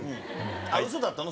嘘だったの？